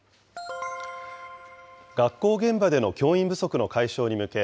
学校現場での教員不足の解消に向け、